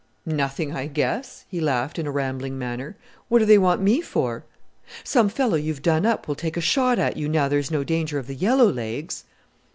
"Nothing, I guess." He laughed in a rambling manner. "What do they want me for?" "Some fellow you have done up will take a shot at you now there is no danger of the yellow legs!"